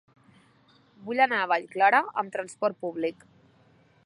Vull anar a Vallclara amb trasport públic.